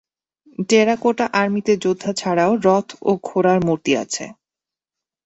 Terracotta আর্মিতে যোদ্ধা ছাড়াও রথ ও ঘোড়ার মূর্তি আছে।